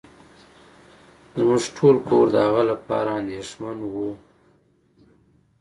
زمونږ ټول کور د هغه لپاره انديښمن وه.